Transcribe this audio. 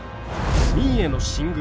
明への進軍